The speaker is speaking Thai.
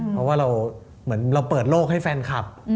เพราะว่าเราเหมือนเราเปิดโลกให้แฟนคลับ